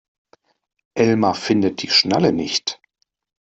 Elmar findet die Schnalle nicht.